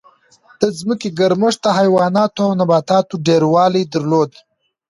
د ځمکې ګرمښت د حیواناتو او نباتاتو ډېروالی درلود.